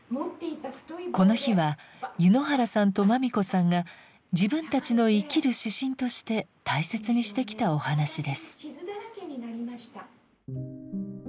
この日は柚之原さんと真美子さんが自分たちの生きる指針として大切にしてきたお話です。